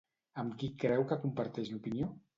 Amb qui creu que comparteix l'opinió?